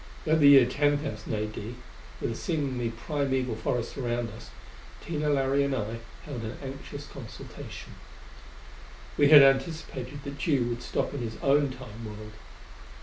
At the year 10,000 A.D., with a seemingly primeval forest around us, Tina, Larry and I held an anxious consultation. We had anticipated that Tugh would stop in his own Time world.